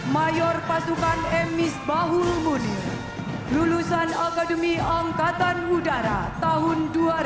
mayor pasukan emis bahul munir lulusan akademi angkatan udara tahun dua ribu dua